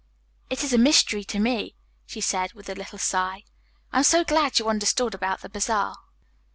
"It is a mystery to me," she said, with a little sigh. "I am so glad you understood about the bazaar."